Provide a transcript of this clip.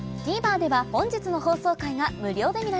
ＴＶｅｒでは本日の放送回が無料で見られます